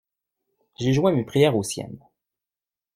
J'ai joint mes prières aux siennes.